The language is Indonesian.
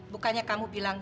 bukannya kamu bilang